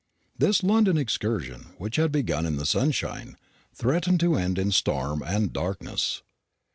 This London excursion, which had begun in sunshine, threatened to end in storm and darkness.